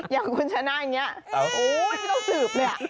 อย่างคุณชนะอย่างนี้โอ๊ยไม่ต้องสืบ